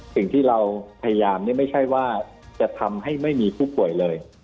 สิ่งที่เราพยายามนี่ไม่ใช่ว่าจะทำให้ไม่มีผู้ป่วยเลย